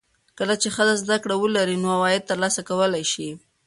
کله چې ښځه زده کړه ولري، نو عواید ترلاسه کولی شي.